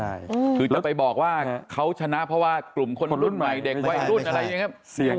ใช่คือจะไปบอกว่าเขาชนะเพราะว่ากลุ่มคนรุ่นใหม่เด็กวัยรุ่นอะไรอย่างนี้